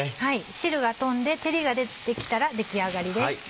汁が飛んで照りが出てきたら出来上がりです。